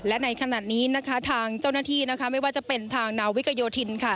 และในขณะนี้นะคะทางเจ้าหน้าที่ไม่ว่าจะเป็นทางนาวิกโยธินค่ะ